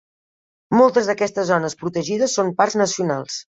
Moltes d'aquestes zones protegides són parcs nacionals.